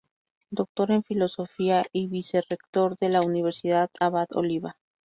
Doctor en Filosofía y Vicerrector de la Universidad Abad Oliba.